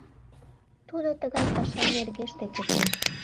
— Тудо тыгай паша нергеште кертеш.